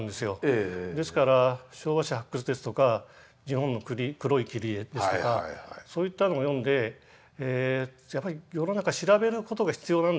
ですから「昭和史発掘」ですとか「日本の黒い霧」ですとかそういったのを読んでやっぱり世の中調べることが必要なんだなと。